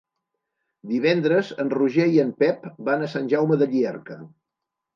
Divendres en Roger i en Pep van a Sant Jaume de Llierca.